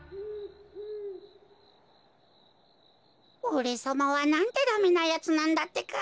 おれさまはなんてダメなやつなんだってか。